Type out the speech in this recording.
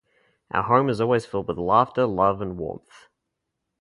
Our home is always filled with laughter, love, and warmth.